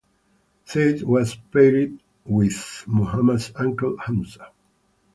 Zayd was paired with Muhammad's uncle Hamza.